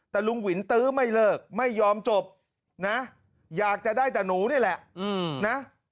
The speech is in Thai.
แต่ลุงหวินตื้อไม่เลิกไม่ยอมจบนะอยากจะได้แต่หนูนี่แหละนะ